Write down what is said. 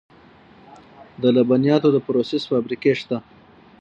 د لبنیاتو د پروسس فابریکې شته